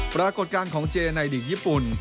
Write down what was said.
ปรากฏกลางของเจนายลีกญี่ปุ่น